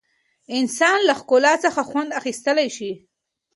انسان له ښکلا څخه خوند اخیستلی شي.